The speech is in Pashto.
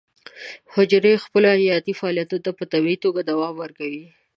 حجرې خپلو حیاتي فعالیتونو ته په طبیعي توګه دوام ورکوي.